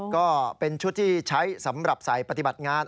ก็เป็นชุดที่ใช้สำหรับใส่ปฏิบัติงาน